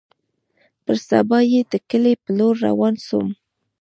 پر سبا يې د کلي په لور روان سوم.